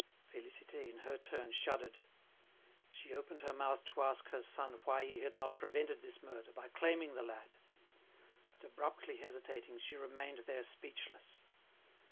Félicité in her turn shuddered. She opened her mouth to ask her son why he had not prevented this murder by claiming the lad; but abruptly hesitating she remained there speechless.